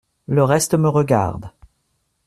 Le reste me regarde.